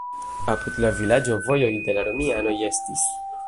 Apud la vilaĝo vojoj de la romianoj estis.